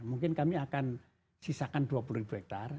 mungkin kami akan sisakan dua puluh ribu hektare